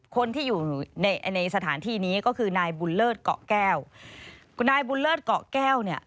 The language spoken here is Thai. คนที่อยู่ในในสถานที่นี้ก็คือนายบุญเลิศเกาะแก้วคุณนายบุญเลิศเกาะแก้วเนี่ย